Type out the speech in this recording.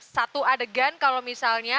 satu adegan kalau misalnya